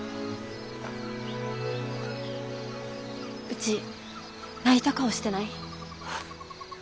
うち泣いた顔してない？